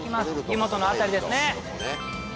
湯本の辺りですね。